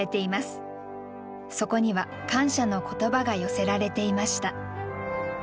そこには感謝の言葉が寄せられていました。